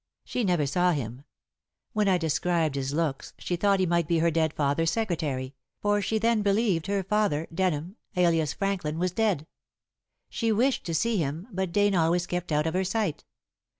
She never saw him. When I described his looks she thought he might be her dead father's secretary for she then believed her father, Denham, alias Franklin, was dead. She wished to see him, but Dane always kept out of her sight.